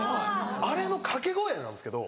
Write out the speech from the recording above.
あれのかけ声なんですけど。